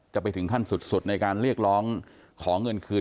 ไปถึงขั้นสุดในการเรียกร้องขอเงินคืน